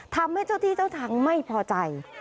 ทำให้เจ้าที่เจ้าทางไม่พอใจ